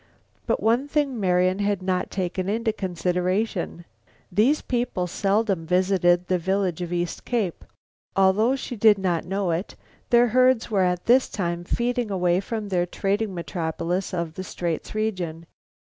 But one thing Marian had not taken into consideration; these people seldom visited the village of East Cape. Although she did not know it, their herds were at this time feeding away from this trading metropolis of the Straits region.